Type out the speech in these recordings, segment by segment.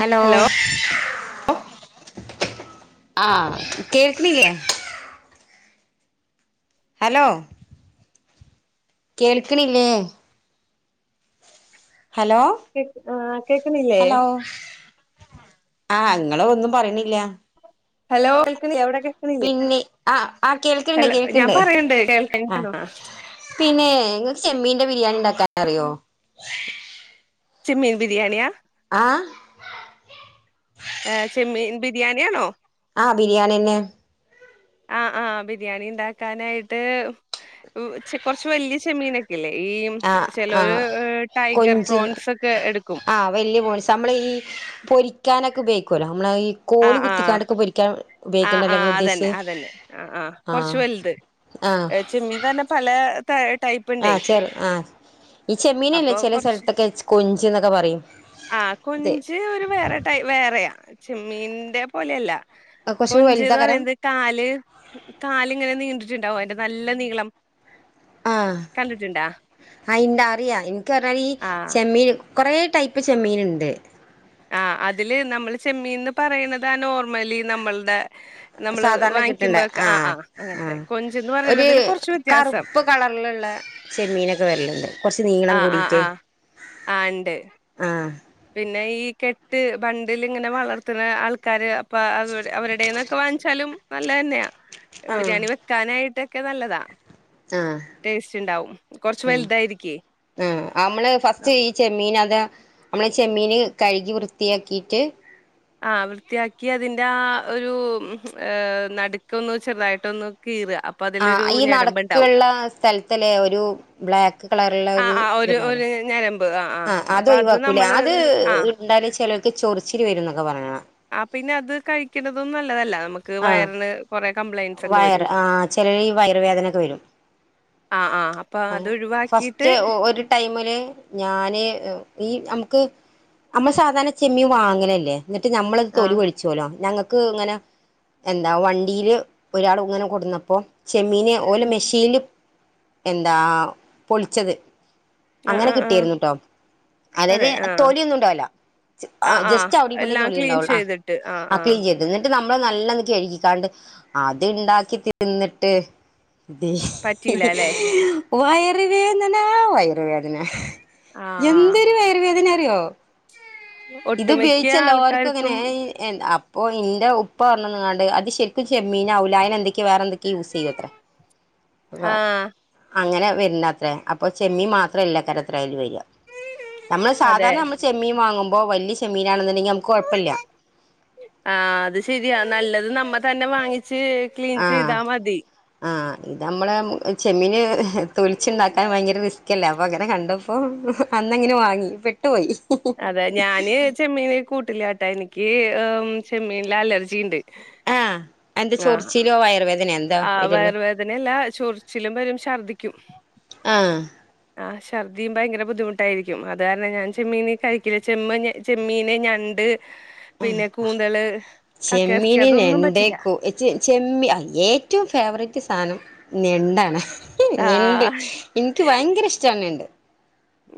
Hello ആഹ് കേൾക്കണില്ലേ hello കേൾക്കണില്ലേ ഹലോ കേ ആഹ് കേക്കണില്ലേ ഓഹ് ആഹ് ഇങ്ങള് ഒന്നും പറയണില്ല ഹലോ കേൾക്കണില്ലേ അവിടെ കേൾക്കണില്ലേ പിന്നെ ആഹ് ആഹ് കേൾക്കണ്ട് ഹലോ ഞാൻ കേൾക്കണ്ട് പറയണ്ട് ആഹ് കേൾക്കണ്ടോ പിന്നെ ഇങ്ങക്ക് ചെമ്മീന്റെ ബിരിയാണി ഉണ്ടാക്കാൻ അറിയോ ചെമ്മീൻ ബിരിയാണിയ ആഹ് ചെമ്മീൻ ബിരിയാണിയാണോ ആഹ് ബിരിയാണിയന്നെ ആഹ് ആഹ് ബിരിയാണി ഉണ്ടാക്കാനായിട്ട് കൊറച്ച് വലിയ ചെമ്മീനൊക്കെ ല്ലേ ഈ ആ ആ ചെലരു ടൈഗർ കൊഞ്ച് പ്രോൺസ് ഒക്കെ എടുക്കും ആ വല്യ പോൺസ് നമ്മള് ഈ പൊരിക്കാനൊക്കെ ഉപയോഗിക്കല്ലോ നമ്മള ഈ കോല് ആഹ് ആഹ് കുത്തിക്കാണ്ടൊക്കെ പൊരിക്കാൻ ആഹ് ഉപയോഗിക്കണ്ടല്ലെങ്ങ ആഹ് ഉദ്ദേശിച്ച അതന്നെ അതന്നെ ആഹ് കൊറച്ച് ആഹ് വലുത് ചെമ്മീൻ തന്നെ പല ടൈപ്പ് ഉണ്ടേ ആഹ് ശരി ആഹ് ഈ ചെമ്മീനല്ലേ അപ്പൊ ചില കൊറച്ച് സ്ഥലത്തൊക്കെ കൊന്ജ് ന്നൊക്കെ പറയും ആ അതെ കൊഞ്ച് ഒരു വേറെ വേറെയാ ചെമ്മീന്റെ പോലെയല്ല കുറച്ച് കൊഞ്ച്ന്ന് വലുതാകരം പറയുന്നത് കാല് കാലിങ്ങനെ നീണ്ടിട്ടുണ്ടാവോ അതിന്റെ നല്ല നീളം ആഹ് കണ്ടിട്ടുണ്ടാ? അയിന്റെ അറിയാ എനിക്ക് പറഞ്ഞാൽ ഈ ആ ചെമ്മീന് കുറേ ടൈപ്പ് ചെമ്മീൻ ഉണ്ട് ആഹ് അതില് നമ്മള് ചെമ്മീന്ന് പറയുന്നതാ നോർമലി നമ്മളുടെ നമ്മള് സാധാരണ കിട്ടണ്ട വാങ്ങിക്കുമ്പോക്കെ ആഹ് ആഹ് അങ്ങനത്തെ ആഹ് കൊഞ്ചന്ന് ഒരു പറയുന്നതിൽ കുറച്ച് വ്യത്യാസം കറുപ്പ് കളറിലുള്ള ചെമീനൊക്കെ വരലുണ്ട് കൊറച്ച് നീളം ആ ആ കൂടിട്ട് ആ ആ ഇണ്ട്. ആഹ് പിന്നെ ഈ കെട്ട് ബണ്ടിലിങ്ങനെ വളർത്തുന്ന ആൾക്കാര് അപ്പൊ അവരുടെന്നൊക്കെ വാങ്ങിച്ചാലും നല്ലതന്നെയാ ആഹ് ബിരിയാണി വെക്കാനായിട്ടൊക്കെ നല്ലതാ ആഹ് ടേസ്റ്റ് ഉണ്ടാവും കൊറച്ച് ഉം വലുതായിരിക്കേ ആഹ് നമ്മള് ഫസ്റ്റ് ഈ ചെമ്മീൻ അത നമ്മളെ ചെമ്മീന് കഴുകി വൃത്തിയാക്കിയിട്ട് ആഹ് വൃത്തിയാക്കി അതിന്റെ ആഹ് ഒരു നടുക്കൊന്ന് ചെറുതായിട്ടൊന്ന് കീറ ആഹ് അതിലൊരു ഈ ഞരമ്പുണ്ടാവും നടക്കുള്ള സ്ഥലത്തല്ലേ ഒരു ബ്ലാക്ക് കളറള്ള ഒരു ഇത്ണ്ടാവല്ലോ ഞരം ആഹ് അത് ഒഴിവാക്കൂലേ അത് ആ ഉണ്ടാലും ചിലർക്ക് ചൊറിച്ചില് വരും എന്നൊക്കെ പറയണം ആഹ് പിന്നെ അത് കഴിക്കണതും നല്ലതല്ല നമക്ക് ആ വയറിന് കൊറെ കംപ്ലൈന്റ്സ് ഒക്കെ വരും വയറ് ആ ചിലര് ഈ വയറുവേദനൊക്കെ വരും ആഹ് ആഹ് അപ്പൊ ആ അത് ഒഴിവാക്കിട്ട് ഫസ്റ്റ് ഒരു ടൈമില് ഞാന് ഈ നമുക്ക് നമ്മ സാധാരണ ചെമ്മീ വാങ്ങനല്ലേ എന്നിട്ട് നമ്മളത് ആ തൊലി പൊളിച്ചോല്ലോ ഞങ്ങൾക്ക് ഇങ്ങനെ എന്താ വണ്ടിയില് ഒരാള് ഇങ്ങനെ കൊടുന്നപ്പോ ചെമ്മീനെ ഓലെ ഉം മെഷീയില് എന്താ പൊളിച്ചത് ആ അങ്ങനെ ആ ആ കിട്ടിയിരുന്നുട്ടോ അതായത് അതെ ആ തൊലിയൊന്നും ഉണ്ടാവൂല്ല ആ ആഹ് ആ ജസ്റ്റ് അവിട വിടിം എല്ലാം തൊലി ക്ലീൻ ഉണ്ടാവുള്ളൂ ചെയ്തിട്ട് ആ ആ ആഹ് ക്ലീൻ ചെയ്തണ് നമ്മള് നല്ല കഴുകിക്കാണ്ട് അത്ണ്ടാക്കി തിന്നിട്ട് പറ്റിയില്ല അല്ലേ വയറുവേദനാ വയറുവേദനാ ആ എന്തൊരു വയറു വേദന അറിയോ ഒട്ടുമിക്ക ഇത്പയോഗിച്ചല്ലോർക്കും അങ്ങനെ ആൾക്കാർക്കും എന്താ അപ്പൊ ഇന്റെ ഉപ്പ പറഞ്ഞന്ന്ങ്ങാണ്ട് അത് ശരിക്കും ചെമ്മീനാവൂലാ ആയിന് എന്തൊക്കെയ വേറെ എന്തൊക്ക ക്കെ യൂസെയ്യൊത്രേ വ ആ അങ്ങനെ വരണാത്രേ അപ്പൊ ചെമ്മി മാത്രല്ല കാരത്രേ അയ്ല് വരാ നമ്മള് അതെ സാധാരണ നമ്മള് ചെമ്മീൻ വാങ്ങുമ്പോ വല്ല്യ ചെമ്മീനാണെന്നുണ്ടെങ്കി നമുക്ക് കൊഴ്പ്പില്ല്യ ആഹ് അത് ശരിയാ നല്ലത് നമ്മ തന്നെ വാങ്ങിച്ച് ക്ലീൻ ആഹ് ചെയ്താ മതി ആഹ് ഇത് നമ്മളെ ചെമ്മീന് തൊലിച്ചുണ്ടാക്കാൻ ഭയങ്കര റിസ്‌ക്കല്ലേ അപ്പൊ അങ്ങനെ കണ്ടപ്പോ അന്നങ്ങനെ വാങ്ങി പെട്ടുപോയി അതെ ഞാന് ചെമ്മീന് കൂട്ട് ട്ടില്ലാട്ടാ എനിക്ക് ചെമ്മീൻല് അലർജിണ്ട് ആഹ് എന്താ ആഹ് ചൊറിച്ചിലോ വയറുവേദനയൊ എന്താ ആഹ് വരല്ലോ വയറുവേദനയല്ല ചൊറിച്ചിലും വരും ഛർദിക്കും ആഹ് ആഹ് ഛർദിയും ഭയങ്കര ബുദ്ധിമുട്ടായിരിക്കും അത് കാരണം ഞാൻ ചെമ്മീനി കഴിക്കില്ല ചെമ്മ് ചെമ്മീന് ഞണ്ട് ആഹ് പിന്നെ കൂന്തള് കക്കയിറച്ചി ചെമ്മീന് അതൊന്നും ഞണ്ട് പറ്റില്ല കു ചെ ചെമ്മി ഏറ്റവും ഫേവറേറ്റ് സാധനം ഞണ്ടാണ് ഞണ്ട് ആഹ് എനിക്ക് ഭയങ്കര ഇഷ്ടാണ് ഞണ്ട്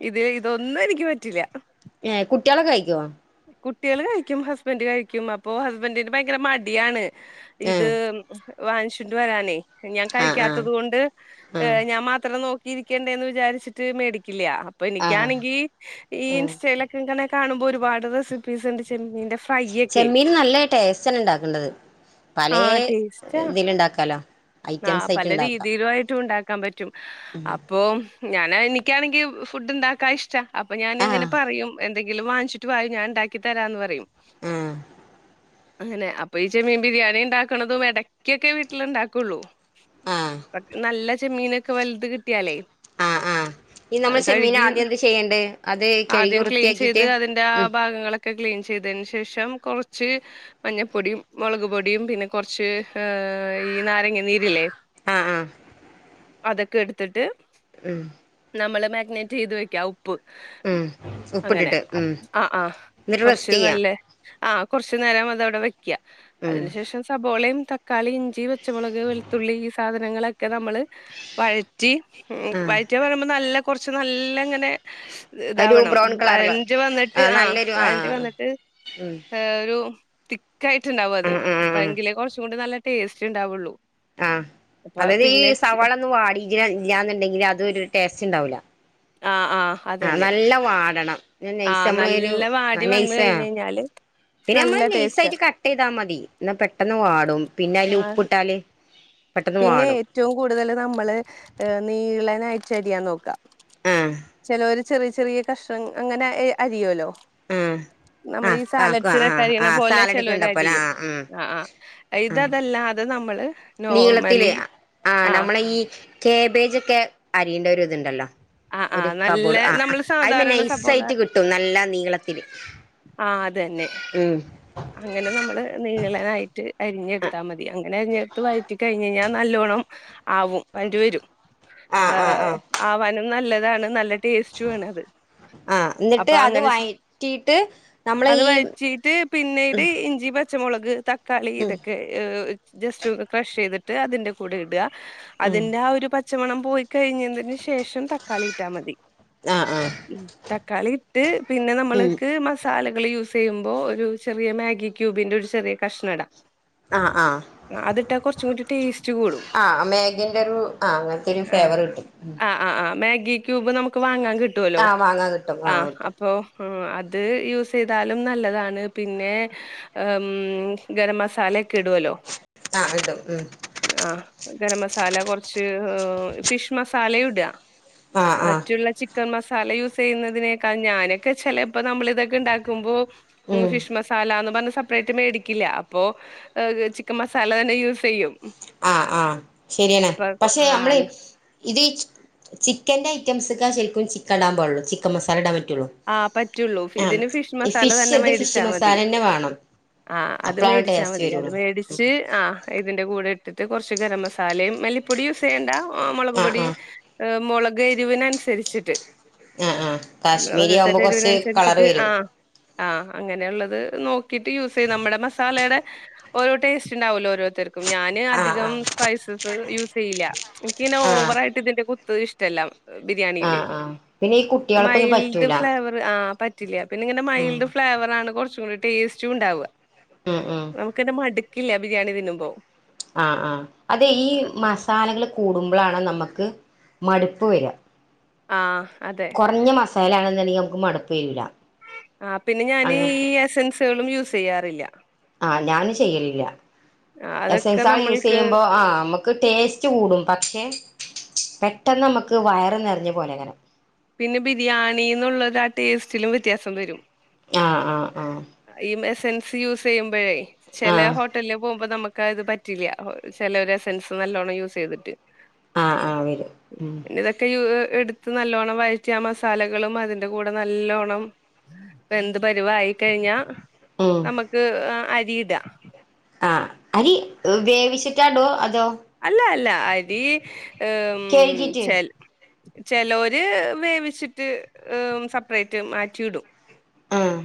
ഇത് ഇതൊന്നും എനിക്ക് പറ്റില്ല ഏഹ് കുട്ട്യേളൊക്കെ കഴിക്കോ കുട്ട്യേള് കഴിക്കും ഹസ്ബന്റ് കഴിക്കും അപ്പൊ ഹസ്ബന്റിന് ഭയങ്കര മടിയാണ് ഇത് ഏഹ് വാങ്ങിച്ചൊണ്ട് വരാന് ഞാൻ ആഹ് ആഹ് കഴിക്കാത്തത് കൊണ്ട് ആഹ് ഞാൻ മാത്രം നോ ക്കി ഇരിക്കണ്ടേന്ന് വിചാരിച്ചിട്ട് മേടിക്കില്ല അപ്പൊ ആഹ് എനിക്കാണെങ്കി ഈ ആഹ് ഇൻസ്റ്റയിലൊക്കെ ഇങ്ങനെ കാണുമ്പോ ഒരുപാട് റെസിപ്പീസ്ണ്ട് ചെമ്മീന്റെ ഫ്രൈ ഒക്കെ ചെമ്മീന് നല്ല ടേസ്റ്റന്നെ ഇണ്ടാക്ക്ണ്ടത് ആഹ് ടേസ്റ്റ ഉണ്ടാക്കാലോ ആ ഐറ്റംസ് ആയിട്ട് പല ഉണ്ടാക്കാം രീതിയിലുയായിട്ടും ഉണ്ടാക്കാൻ പറ്റും റ്റും അപ്പൊ ഞാനാ എനിക്കാണെങ്കി ഫുഡ് ഇണ്ടാക്കാ ഇഷ്ട അപ്പൊ ഞാനിങ്ങനെ ആഹ് പറയും എന്തെങ്കിലും വാങ്ങിച്ചിട്ട് വായോ ഞാൻ ഇണ്ടാക്കി തരാന്ന് പറയും ആഹ് അങ്ങനെ അപ്പൊ ഈ ചെമ്മീൻ ബിരിയാണിണ്ടാക്കണതും എടക്കൊക്കെ വീട്ടിലുണ്ടാക്കുള്ളൂ ആഹ് നല്ല ചെമ്മീനൊക്കെ വലുത് കിട്ടിയാലേ ആഹ് ആഹ് ഈ അത് നമ്മള് കഴുകി ചെമ്മീനാദ്യം എന്താ ചെയ്യണ്ടത് കഴുകി വൃത്തിയാക്കിട്ട് ആഹ് ഉം ഭാഗങ്ങളൊക്കെ ക്ലീൻ ചെയ്തതിന് ശേഷം കൊറച്ച് മഞ്ഞപ്പൊടിയും മുളക് പൊടിയും പിന്നെ കുറച്ച് ഈ നാരങ്ങ നീരില്ലേ ആഹ് ആഹ് അതൊക്കെ എടുത്തിട്ട് ഉം നമ്മള് മാഗ്നേറ്റ് ചെയ്ത് വെക്കാ ഉപ്പ് ഉം അങ്ങനെ ഉപ്പിട്ടിട്ട് ഉം ആ ആ എന്നിട്ട് കൊർച്ച് റെസ്റ്റ് ചെയ്യാം നല്ല ആ കൊർച്ചു നേരം അതവിടെ വെക്ക്യ ഉം അതിന് ശേഷം സബോളയും ത ക്കാളി ഇഞ്ചി പച്ചമുളക് വെളുത്തുള്ളി ഈ സാധനങ്ങളൊക്കെ നമ്മള് വഴറ്റി ഉം ആഹ് വഴറ്റിന്ന് പറയുമ്പോ നല്ല കൊറച്ച് നല്ല ഇങ്ങനെ ഒരു ഇതാവണം ബ്രൗൺ കളറില് വഴണ്ട് വന്നിട്ട് ആഹ് ആ നല്ലൊരു വഴണ്ടി ആഹ് വന്നിട്ട് ഉം ഏഹ് ഒരു തിക്കായിട്ട്ണ്ടാവും അത് ഉം ഉം ഉം ഉം അപ്പങ്കിലേ കൊറച്ചും കൂടെ നല്ല ടേസ്റ്റ് ഇണ്ടാവൊള്ളൂ ആഹ് അതായിത് ഈ സവാള ഒന്നും വാടിട്ട് ഇല്ലാന്ന്ണ്ടെങ്കില് അതൊരു ടേസ്റ്റ് ഇണ്ടാവൂല്ല ആഹ് ആഹ് ആഹ് അതന്നെ നല്ലം വാടണം പിന്നെ നൈസ് ആഹ് നമ്മളെ ഒരു നല്ല വാടി വന്ന് നൈസാ കഴിഞ്ഞ് കഴിഞ്ഞാല് പിന്നെ നല്ല നമ്മള് ടേസ്റ്റാ നൈസായിട്ട് കട്ടെയ്താമതി ഇന്നാ പെട്ടെന്ന് വാടും പിന്നെ അയില് ആഹ് ഉപ്പ് ഇട്ടാല് പിന്നെ ഏറ്റവും കൂടുതല് നമ്മള് നീള നായിറ്റരിയാൻ നോക്കാ ആഹ് ചെലോര് ചെറിയെ ചെറിയെ കഷ്ണം അങ്ങനെ ഏഹ് അരിയല്ലോ ആഹ് നമ്മളീ ആഹ് ആഹ് സാലഡ് ചൂനൊക്കെ ആഹ് അരിയ്ണ ആഹ് പോലെ സാലഡ്ക്ക് ചെലോര് ഉണ്ടപ്പോലെ അരിയും ആഹ് ഉം ആഹ് ആഹ് ആഹ് ഇതല്ല അത് നമ്മള് നീളത്തില് നോർമലി ആ നമ്മളീ കേബേജൊക്കെ അരിയേണ്ട ഒര് ഇത്ണ്ടല്ലോ ആ ആ ഒര് നല്ല കബോഡ് ആഹ് ആഹ് നമ്മള് അയിമെ സാധാരണ സബോള നൈസായിട്ട് കിട്ടും നല്ല നീളത്തില് ആഹ് അതന്നെ ഉം അങ്ങനെ നമ്മള് നീളനായിട്ട് അരിഞ്ഞെടുത്താമതി അങ്ങനെ അരിഞ്ഞെടുത്ത് വയറ്റി കഴിഞ്ഞഴിഞ്ഞാൽ നല്ലോണം ആവും വരണ്ട് വരും ആഹ് ആഹ് ഏഹ് ആഹ് ആവാനും നല്ലതാണ് നല്ല ടേസ്റ്റുവാണത്. ആഹ് അപ്പ എന്നിട്ട് അത് അങ്ങനെ ചെ, വഴറ്റിയിട്ട് നമ്മള് അത് ഈ വഴറ്റിട്ട് പി പിന്നീട് ഉം ഇഞ്ചി പച്ചമൊളക് തക്കാളി ഉം ഇതൊക്കെ ഏഹ് ജസ്റ്റൊന്ന് ക്രഷയ്തിട്ട് അതിന്റെ കൂടെ ഇടാ ഉം അതിന്റെ ആ ഒര് പച്ചമണം പോയി കഴിഞ്ഞതിന് ശേഷം തക്കാളി ഇട്ടാ മതി ആഹ് ആഹ് ഹ്മ്മ് തക്കാളി ഇട്ട് പിന്നെ നമ്മള്ക്ക് മസാലകള് യൂസെയ്യുമ്പോ ഒരു ചെറിയ മാഗി ക്യൂബിന്റെ ഒര് ചെറിയ കഷ്ണടാ ആഹ് ആഹ് കൂടി ടേസ്റ്റ് കൂടും ആഹ് മേഗിന്റെ ഒരു ആഹ് അങ്ങൻത്തൊരു ആഹ് ഫേവറ് കിട്ടും ആഹ് ആഹ് മാഗി ക്യൂബ് നമുക്ക് വാങ്ങാൻ കിട്ടുവല്ലോ, ആഹ് വാങ്ങാൻ കിട്ടും ആഹ് കിട്ടും അപ്പോ ആഹ് അത് യൂസെയ്താലും നല്ലതാണ്. പിന്നെ ഹ്മ്മ് ഗരം മസാലക്കെ ഇടുവല്ലോ ആഹ് ഇടും ഹ്മ്മ് ആഹ് ഗരം മസാല കൊറച്ച് ഫിഷ് മസാലയുടാ ആഹ് ആഹ് മറ്റുള്ള ചി ചിക്കൻ മസാല യൂസെയ്യുന്നതിനേക്കാ ഞാനൊക്കെ ചെലേപ്പ നമ്മള് ഇതൊക്കെ ഇണ്ടാക്കുമ്പോ ഹ്മ്മ് ഉം ഫിഷ് മസാലാന്ന് പറഞ്ഞ് സപ്പറേറ്റ് മേടിക്കില്ല അപ്പൊ ചിക്കൻ മസാല തന്നെ യൂസെയ്യും ആഹ് ആഹ് ശശെരിയാണ് പക്ഷെ നമ്മള് ആഹ് ഇത് ചിക്കൻന്റെ ഐറ്റംസ്ക്കാ ശെരിക്കും ചിക്കടാൻ പാടൊള്ളൂ ചിക്കൻ മസാല ഇടാൻ പറ്റൊള്ളൂ ആഹ് പറ്റൊള്ളൂ ഇതിന് ഫിഷ് മസാല തന്നെ ഇത് ഫിഷ് മേടിച്ചാ മസാല മതി. തന്നെ വേണം ആഹ് അത് അപ്പളാണ് മേടിച്ചാ ടേസ്റ്റ് മതി അത് വരുള്ളൂ മേടിച്ച് ആഹ് ഇതിന്റെ കൂടെ ഇട്ടിട്ട് കൊറച്ച് ഗരം മസാലയും മല്ലിപ്പൊടി യൂസെയ്യണ്ട ആഹ് മൊളക് പൊടി മൊളക് എരിവിനനുസരിച്ചിട്ട് ആഹ് ആഹ് നമ്മള് കാശ്മീരിയാവുമ്പോ ഓരോരുത്തരുടെ കൊറച്ച് കളറ് എരിവിനനുസരിച്ചിട്ട് വരും ആഹ് ആഹ് അങ്ങനെയ്ള്ളത് നോക്കിട്ട് യൂസെയ്ത് നമ്മടെ മസാലേടെ ഒരു ടേസ്റ്റ് ഇണ്ടാവല്ലോ ഓരോരുത്തർക്ക് ക്കും ഞാന് ആഹ് അധികം ആഹ് സ്പൈസ്സ് യൂസെയ്യ്ല്ല എനിക്കിങ്ങനെ ആഹ് ഓവറായി ട്ട് ഇതിന്റെ കുത്ത് ഇഷ്ടല്ല ബിരിയാണില്, ആഹ് ആഹ് പിന്നെ ഈ കുട്ടികൾക്കൊന്നും മയിൽ പറ്റൂല ഫ്ലെവറ് ആഹ് പറ്റില്ല പിന്നെ ഇങ്ങനെ ഉം മൈൽഡ് ഫ്ലേവറാണ് കൊറച്ചും കൂടി ടേസ്റ്റുണ്ടാവാ ആഹ് ആഹ് നമുക്കന്നെ മട്ക്കില്ല ബിരിയാണി തിന്നുമ്പോ ആഹ് ആഹ് അതെ ഈ ആഹ് അപ്പ മസാലകള് കൂടുമ്പോഴാണ് നമുക്ക് മടുപ്പ് വരിക ആഹ് അതെ കുറഞ്ഞ മസാല ആണെന്നുണ്ടെങ്കിൽ നമുക്ക് മടുപ്പ് വരൂല ആഹ് പിന്നെ ഞാന് ഈ അങ്ങനത്തെ എസെൻസുകളും യൂസ് ചെയ്യാറില്ല ആഹ് ഞാന് ചെയ്യലില്ല ആഹ് എസ് അതൊക്കെ എൻസ് ആൾ നമ്മൾക്ക് യൂസയ്യുമ്പോ ആഹ് നമുക്ക് നമക്ക് ടേസ്റ്റ് കൂടും പക്ഷെ പെട്ടെന്ന് നമുക്ക് വയറ് നിറഞ്ഞ പോലെ അങ്ങനെ പിന്നെ ബിരിയാണി എന്നുള്ളരു ആഹ് ടേസ്റ്റിലും വ്യത്യാസം വരും ആഹ് ആഹ് ആഹ് ഈ എസൻസ് യൂസയ്യുമ്പോഴേ ചെലേ ആഹ് ഹോ ട്ടല്ല പോകുമ്പോ നമുക്ക്ത് പറ്റില്ല ചിലര്സൻസ് നല്ലോണ്ണം യൂസ് ചെയ്തിട്ട് ആഹ് ആഹ് വരും ഉം ഒക്കെ എടുത്ത് നല്ലോണ്ണം വഴറ്റി ആ മസാലകളും അതിന്റെ കൂടെ നല്ലോണ്ണം വെന്ത് പരുവായി കഴിഞ്ഞാ ഉം നമുക്ക് ആഹ് അരിയിട ആഹ് അരി വേവിച്ചിട്ടാഇടോ അതോ അല്ല അല്ല അരി ഉം കഴുകിട്ട് ചല് ചേലോര് വേവിച്ചിട്ട് സെപ്പറേറ്റ് മാറ്റിയിടും ആഹ്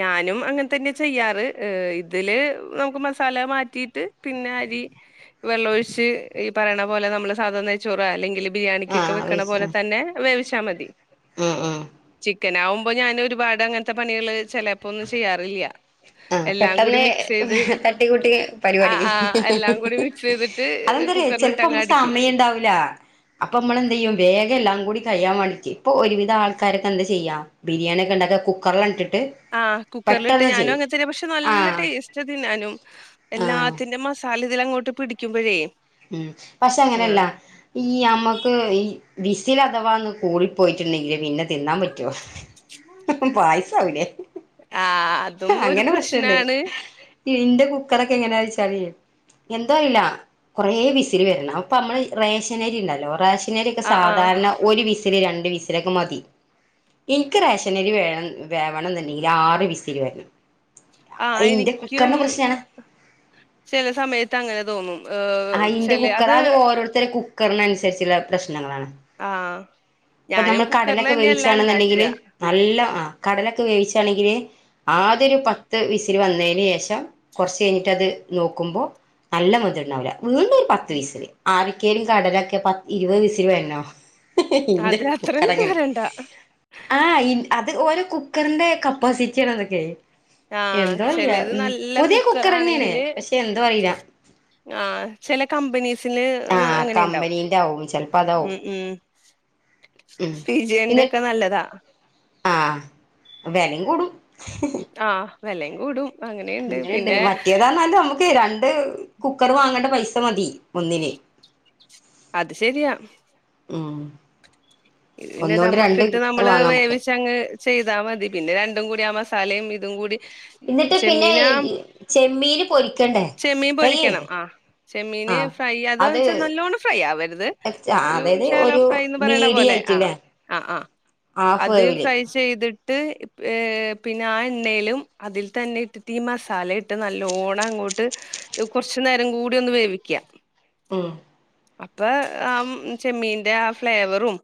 ഞാനും അങ്ങൻതന്നെ ചെയ്യാറ് ഏ ഇതില് നമുക്ക് മസാല മാറ്റിയിട്ട് പിന്നെ അരി വെള്ളമൊഴിച്ച് ഈ പറയണ പോലെ നമ്മള് സാധ നയിച്ചോറ അല്ലെങ്കിൽ ബിരിയാണിക്കക്കെ ആഹ് വെക്കണ പോലെ തന്നെ വേവിച്ചാൽ മതി അഹ് ആഹ് ചിക്കൻ ആകുമ്പോ ഞാൻ ഒരുപാട് അങ്ങനത്തെ പണികള് ചിലപ്പോന്നും ചെയ്യാറില്ല. ആഹ് എല്ലാം കൂടി പെട്ടെന്ന് മിക്സ് ചെയ്ത് തട്ടിക്കൂട്ടി പരിപാടി ആഹ് ആഹ് എല്ലാം കൂടി മിക്സ് ചെയ്തിട്ട് അത് എന്തറിയ കുക്കറിലിട്ട് ചെലപ്പോ അങ്ങ് നമക്ക് അടിക്കും. സമയം ഉണ്ടാവൂല. അപ്പൊ നമ്മള് എന്തയ്യും വേഗം എല്ലാം കൂടി കഴിയാൻ വേണ്ടിക്ക് ഇപ്പൊ ഒരുവിധ ആൾക്കാർക്കെ എന്താ ചെയ്യാ ബിരിയാണി ഒക്കെ ഉണ്ടാക്കെ കുക്കറിലണ്ട് ഇട്ടിട്ട്. ആഹ് കുക്കർലിട്ട് പെട്ടെന്ന് ഞാനും ചെയ്യും അങ്ങനെ തന്നെ പക്ഷെ നല്ല ആഹ് ടേസ്റ്റ് തിന്നാനും ആഹ് എല്ലാത്തിന്റെ മ സാല ഇതിലങ്ങോട്ട് പിടിക്കുമ്പോഴേ ഉം പക്ഷെ അങ്ങനെയല്ല. ഈ നമ്മക്ക് ഈ വിസൽ അഥവാ ഒന്ന് കൂടി പോയിട്ടുണ്ടെങ്കില് പിന്നെ തിന്നാൻ പറ്റോ പായസാവില്ലെ. ആഹ് അതും ഒരു പ്രശ്നാണ്. ഇന്റെ കുക്കറൊക്കെ എങ്ങനെ വച്ചാല് എന്തറീല കുറെ വിസില് വരണം അപ്പൊ നമ്മള് റേഷനരി ഉണ്ടല്ലോ റേഷനരിക്കെ ആഹ് ആഹ് സാധാരണ ഒരു വിസില് രണ്ട് വിസിലക്കെ മതി. ഇനിക്ക് റേഷനരി വേണം വേവണം എന്നെന്നുണ്ടെങ്കില് ആറ് വിസിൽ വരണം. ആഹ് അയ് ഇന്റെ എനിക്കും കുക്കറിന്റെ പ്രശ്നാണ്. ചെല സമയത്ത് അങ്ങനെ തോന്നും. ഏഹ് ആഹ് ഇന്റെ ചെല കുക്കർ അത് ഓരോരുത്തര കുക്കറിന് അനുസരിച്ചുള്ള പ്രശ്നങ്ങളാണ്. ആഹ് ഇപ്പൊ ഞാനും നമ്മ കടലൊക്കെ കുക്കറിലെന്നെല്ലാ വേവിച്ചാണന്നെണ്ടെങ്കില്. ഇണ്ടാക്കാ. നല്ല ആഹ് കടലൊക്കെ വേവിച്ചാണെങ്കില് ആദ്യ ഒരു പത്ത് വിസില് വന്നേന് ശേഷം കുറച്ച് കഴിഞ്ഞിട്ട് അത് നോക്കുമ്പോ നല്ല വെന്ത്ണ്ടാവില്ല. വീണ്ടും ഒരു പത്ത് വീസില് ആരക്കേല് കടലൊക്കെ പത്ത് ഇരുപത് വിസിൽ വര്നൊ ഇന്റെ അത് അത്രയും കുക്കറങ്ങനെ വരണ്ട. ആഹ് ഇ അത് ഓരോ കുക്കറ്ന്റെ കപ്പാസിറ്റി ആണ് അതൊക്കേ ആഹ് എന്തോ അറീലാ ചെലത് ഉം നല്ല പുതിയ കുക്കറെന്നേണ് കുക്കറാണെങ്കില് പക്ഷെ എന്തോ അറീലാ ആഹ് ചെലെ കമ്പനീസില് ആ അങ്ങെനേണ്ടാവും കമ്പനീന്റെ ആവും ചെലപ്പോ അതാവും ഉം ഉം ഉം പിന്നെ പിജിയന്റെക്കെ നല്ലതാ. ആഹ് വെലിം കൂടും ആഹ് വെലെയും കൂടും അങ്ങനേയ്ണ്ട് പിന്നേ ന്നാലും മ്മ്ക്ക് രണ്ട് കുക്കറ് വങ്ങെണ്ട പൈസ മതി ഒന്നിന് അത് ശരിയാ ഉം ഇത് പിന്നെ ഒന്നോണ്ട് രണ്ട് ദമ്മ്ക്ക്ട്ട് കുക്കർ നമ്മള് വാങ്ങാം നമുക്ക് വേവിച്ചങ്ങ് ചെയ്താ മതി പിന്നെ രണ്ടും കൂടി ആ മസാലയും ഇതും കൂടി ഇന്നിട്ട് പിന്നെ ചെമ്മീനാ ചെമ്മീന് പൊരിക്കണ്ടേ ചെമ്മീൻ പൊരിക്കണം ഫ്രൈയ്യെയ്ത് ആ ചെമ്മീന് ഫ്രൈ അത്‌ന്ന്‌ച്ചാ നല്ലോണം ഫ്രൈയ്യാവര്ത് ഒരു അതായത് ശാലോ ഒരു ഫ്രൈയ്ന്ന് പറയ്ണ പോലെ ആഹ് മീഡിയായിട്ടില്ലേ ആഹ് ആഹ് ഹാഫ് അത് വേവില് ഫ്രൈ ചെയ്ത്ട്ട് ഏഹ് പിന്നെ ആ എണ്ണേലും അതിൽ തന്നെ ഇട്ടിട്ട് ഈ മസാലെ ട്ട് നല്ലോണം അങ്ങോട്ട് കാെർച്ച് നേരം കൂടി ഒന്ന് വേവിക്ക്യാ ഉം അപ്പേ ആ ചെമ്മീന്റെ ആ ഫ്ലേവെറും